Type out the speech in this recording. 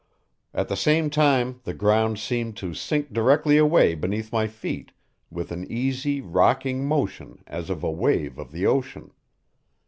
At the same time the ground seemed to sink directly away beneath my feet with an easy, rocking motion as of a wave of the ocean.